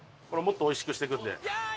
これもっとおいしくしていくんで。